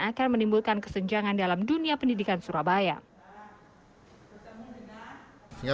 akan menimbulkan kesenjangan dalam dunia pendidikan surabaya